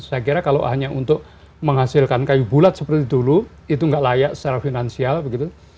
dan saya kira kalau hanya untuk menghasilkan kayu bulat seperti dulu itu tidak layak secara finansial begitu